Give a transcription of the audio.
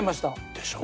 でしょ？